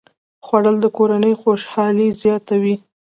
خوړل د کورنۍ خوشالي زیاته وي